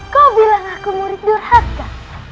kau bilang aku murid durhaka